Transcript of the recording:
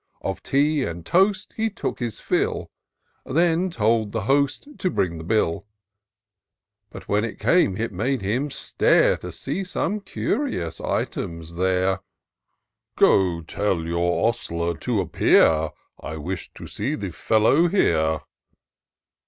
Of tea and toast he took his fill. Then told the Host to bring the bill ; But when it came, it made him stare To see some curious items there !" Go tell your Ostler to appear ; I wish to see the fellow here."